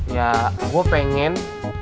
ya gue pengen